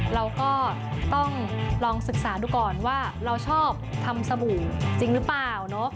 เราก็ต้องลองศึกษาดูก่อนว่าเราชอบทำสบู่จริงหรือเปล่า